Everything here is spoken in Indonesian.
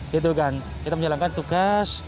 gitu kan kita menjalankan tugas